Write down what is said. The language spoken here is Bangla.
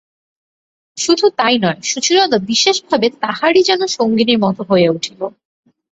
শুধু তাই নয়, সুচরিতা বিশেষভাবে তাঁহারই যেন সঙ্গিনীর মতো হইয়া উঠিল।